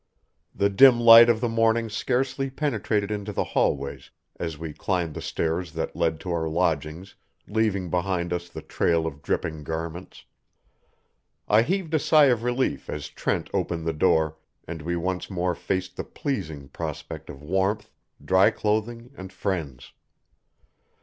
The dim light of the morning scarcely penetrated into the hallways as we climbed the stairs that led to our lodgings, leaving behind us the trail of dripping garments. I heaved a sigh of relief as Trent opened the door, and we once more faced the pleasing prospect of warmth, dry clothing and friends.